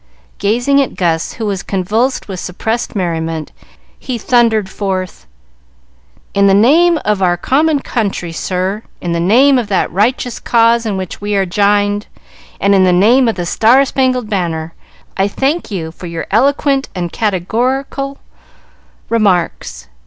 Gazing at Gus, who was convulsed with suppressed merriment, he thundered forth: "In the name of our common country, sir, in the name of that righteous cause in which we are jined, and in the name of the star spangled banner, I thank you for your eloquent and categorical remarks.